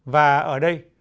và ở đây